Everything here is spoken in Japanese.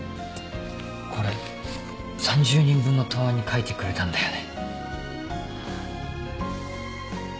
これ３０人分の答案に書いてくれたんだよね。